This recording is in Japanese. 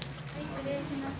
失礼します。